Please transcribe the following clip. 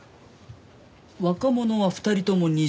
若者は２人とも２０代。